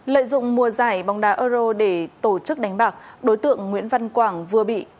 lợi dụng mùa giải bóng đá euro để tổ chức đánh bạc đối tượng nguyễn văn quảng vừa bị